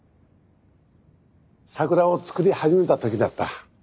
さくらを作り始めた時だった。